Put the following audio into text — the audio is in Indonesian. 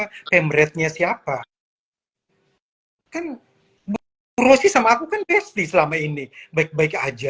hai temretnya siapa kan berusia sama aku kan besti selama ini baik baik aja